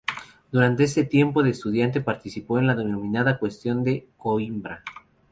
Durante este tiempo de estudiante participó en la denominada "Cuestión de Coímbra".